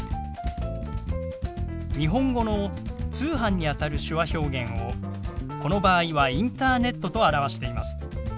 日本語の「通販」にあたる手話表現をこの場合は「インターネット」と表しています。